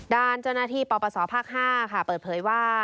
ด่านจนาทีปปศภ๕เปิดเผยว่า